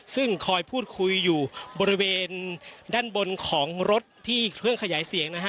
ซึ่งคอยพูดคุยอยู่บริเวณด้านบนของรถที่เครื่องขยายเสียงนะฮะ